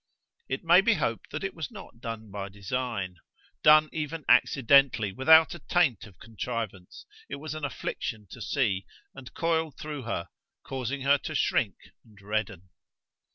It may be hoped that it was not done by design. Done even accidentally, without a taint of contrivance, it was an affliction to see, and coiled through her, causing her to shrink and redden.